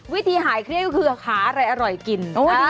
วิธีหายเครียดก็คือหาอะไรอร่อยกิน